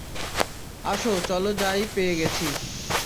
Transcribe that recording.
আসো চলো যাই পেয়ে গেছি।